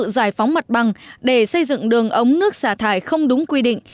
giải phóng mặt bằng để xây dựng đường ống nước xả thải không đúng quy định